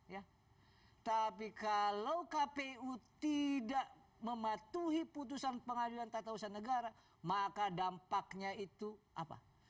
ya tapi kalau kpu tidak mematuhi putusan pengadilan tata usaha negara maka dampaknya itu apa